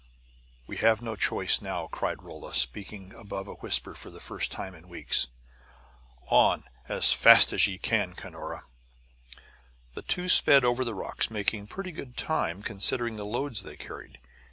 "We have no choice now!" cried Rolla, speaking above a whisper for the first time in weeks. "On, as fast as ye can, Cunora!" The two sped over the rocks, making pretty good time considering the loads they carried.